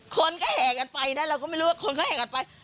คนก็แห่กันไปนะเราก็ไม่รู้ว่าคนเขาแห่กันไป